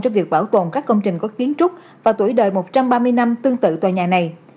trong việc bảo tồn các công trình có kiến trúc và tuổi đời một trăm ba mươi năm tương tự tòa nhà này